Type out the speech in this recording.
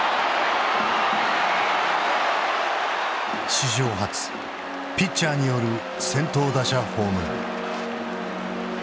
史上初ピッチャーによる先頭打者ホームラン。